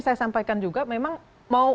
saya sampaikan juga memang mau